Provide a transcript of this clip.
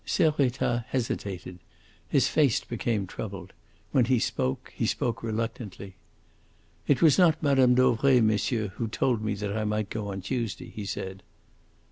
Servettaz hesitated. His face became troubled. When he spoke, he spoke reluctantly. "It was not Mme. Dauvray, monsieur, who told me that I might go on Tuesday," he said.